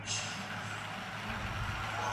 تاریخ تېره درمل د انسان روغتیا ته زیان رسوي.